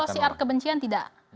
kalau siar kebencian tidak